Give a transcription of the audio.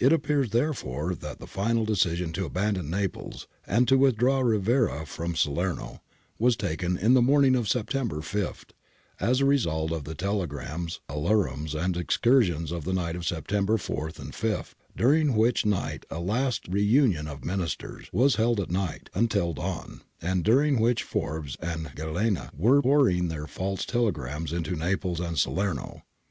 It appears therefore that the final decision to abandon Naples and to withdraw Rivera from Salerno was taken in the morning of September 5, as a result of the telegrams, alarums, and excursions of the night of September 4 5, during which night a ' last reunion of Ministers ' was held all night ' until dawn' (Pianell, 194 195, his wife's journal), and during which Forbes and Gallenga were pouring their false telegrams into Naples and Salerno.